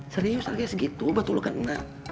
serius lah kayak segitu batu ulekan